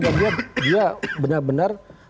dan dia benar benar